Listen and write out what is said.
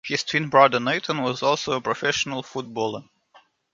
His twin brother, Nathan, was also a professional footballer.